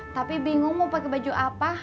tapi bingung mau pakai baju apa